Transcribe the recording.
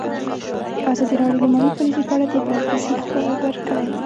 ازادي راډیو د مالي پالیسي په اړه د عبرت کیسې خبر کړي.